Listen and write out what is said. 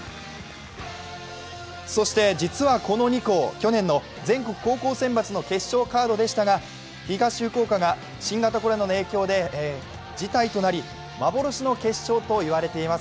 そして実はこの２校、去年の全国高校選抜の決勝カードでしたが東福岡が新型コロナの影響で辞退となり、幻の決勝といわれています。